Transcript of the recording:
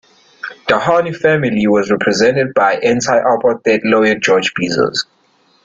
The Hani family was represented by anti-apartheid lawyer George Bizos.